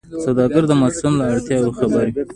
سوداګر د موسم له اړتیاوو خبر وي.